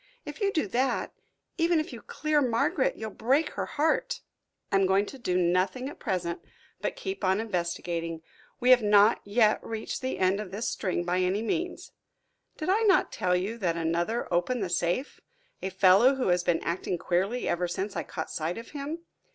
If you do that, even if you clear Margaret, you'll break her heart." "I am going to do nothing at present but keep on investigating. We have not yet reached the end of this string by any means. Did I not tell you that another opened the safe? a fellow who has been acting queerly ever since I caught sight of him?